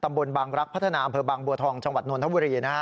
ตำรวจบางรักษ์พัฒนาเผลอบางบัวทองจังหวัดนวลธรรมบุรี